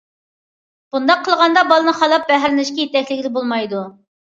بۇنداق قىلغاندا بالىنى خالاپ بەھرىلىنىشكە يېتەكلىگىلى بولمايدۇ.